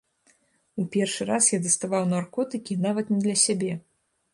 У першы раз я даставаў наркотыкі нават не для сябе.